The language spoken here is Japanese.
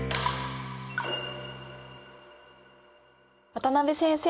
渡辺先生。